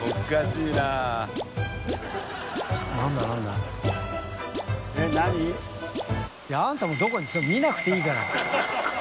いやあんたもどこ行くそれ見なくていいから。